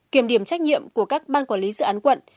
kiểm điểm trách nhiệm của các ban quản lý dự án quận